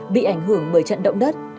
bị ảnh hưởng bởi trận động đất